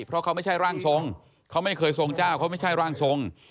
เพราะเขาไม่ใช่ร่างทรงเขาไม่เคยทรงเจ้าเขาไม่ใช่ร่างทรง